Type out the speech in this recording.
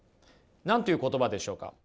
何という言葉でしょうか？